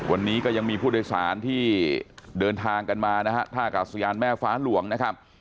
วันนี้ก็ยังมีผู้โดยสารที่เดินทางกันมานะฮะท่ากาศยานแม่ฟ้าหลวงนะครับ